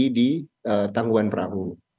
untuk diperbaiki di tangkuban perahu